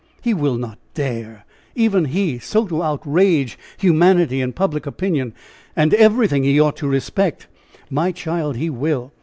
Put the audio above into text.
"He will not dare even he, so to outrage humanity and public opinion and everything he ought to respect." "My child, he will.